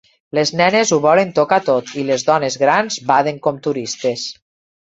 Les nenes ho volen tocar tot i les dones grans baden com turistes.